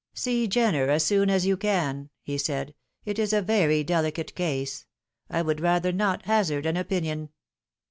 " See Jenner as soon as you can," he said. "It is a very delicate case. I would rather not hazard an opinion."